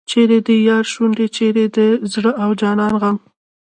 چیرې د یار شونډې چیرې د زړه او جان غم.